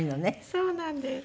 そうなんです。